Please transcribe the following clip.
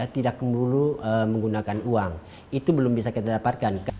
tidak perlu menggunakan uang itu belum bisa kita dapatkan